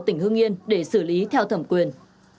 tỉnh hưng yên để xử lý theo thẩm quyền